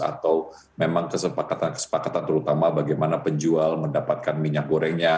atau memang kesepakatan kesepakatan terutama bagaimana penjual mendapatkan minyak gorengnya